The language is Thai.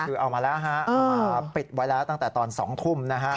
คือเอามาแล้วปิดไว้แล้วตั้งแต่ตอน๒ทุ่ม